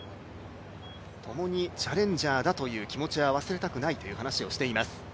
ともにチャレンジャーだという気持ちは忘れたくないという話をしています。